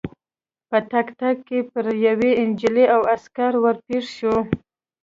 په تګ تګ کې پر یوې نجلۍ او عسکر ور پېښ شوو.